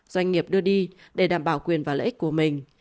doanh nghiệp đưa đi để đảm bảo quyền và lợi ích của mình